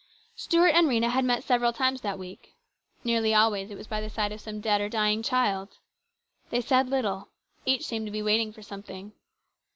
Stuart and Rhena had met several times that week. Nearly always it was by the side of some dead or dying child. They said little. Each seemed to be waiting for something.